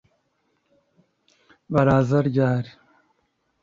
baraza ryari